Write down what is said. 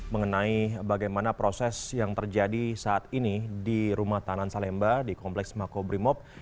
mengenai bagaimana proses yang terjadi saat ini di rumah tahanan salemba di kompleks makobrimob